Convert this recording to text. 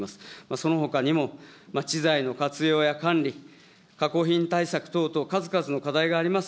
そのほかにも町材の活用や管理、加工品対策等々、数々の課題があります。